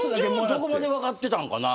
どこまで分かってたんかな。